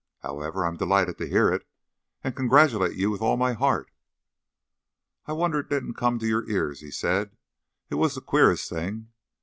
"However, I am delighted to hear it, and congratulate you with all my heart." "I wonder it didn't come to your ears," he said. "It was the queerest thing.